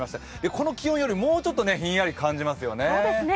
この気温よりもうちょっとひんやり感じますよね。